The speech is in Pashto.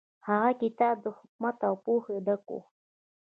هغه کتاب د حکمت او پوهې ډک و.